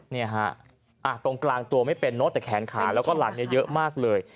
เนี่ยฮะตรงกลางตัวไม่เป็นเนอะแต่แขนขาแล้วก็หลังเนี่ยเยอะมากเลย